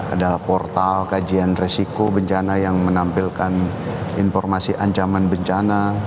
ada portal kajian resiko bencana yang menampilkan informasi ancaman bencana